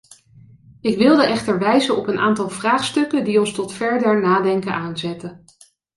Ik wilde echter wijzen op een aantal vraagstukken die ons tot verder nadenken aanzetten.